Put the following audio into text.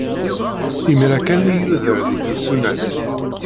Imir-a kan ay yuder deg yisunan.